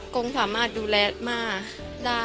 กงสามารถดูแลม่าได้